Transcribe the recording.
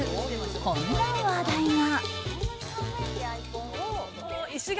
こんな話題が。